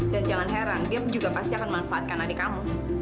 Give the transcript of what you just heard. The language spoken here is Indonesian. dan jangan heran dia juga pasti akan manfaatkan adik kamu